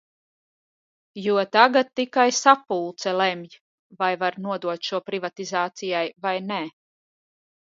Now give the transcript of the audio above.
Jo tagad tikai sapulce lemj, vai var nodot šo privatizācijai vai ne.